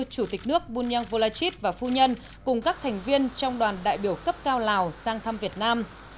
chủ tịch nước bunyang volachit và phu nhân cùng các thành viên trong đoàn đại biểu cấp cao lào sang thăm việt nam